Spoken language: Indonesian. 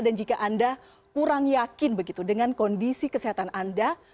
dan jika anda kurang yakin begitu dengan kondisi kesehatan anda